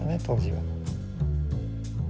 当時は。